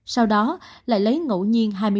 sau đó lại lấy ngẫu nhiên